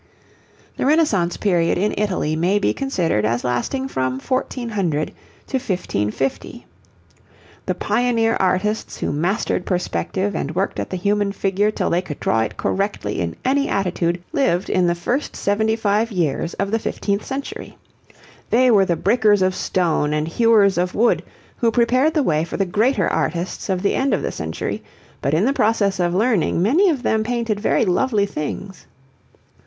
The Renaissance Period in Italy may be considered as lasting from 1400 to 1550. The pioneer artists who mastered perspective and worked at the human figure till they could draw it correctly in any attitude, lived in the first seventy five years of the fifteenth century. They were the breakers of stone and hewers of wood who prepared the way for the greater artists of the end of the century, but in the process of learning, many of them painted very lovely things.